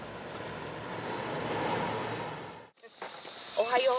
おはよう。